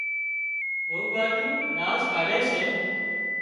وئوئاريون لاز ڪاڍي سي